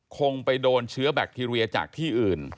คงไปโดนเชื้อแบคทีเรียจากที่อื่น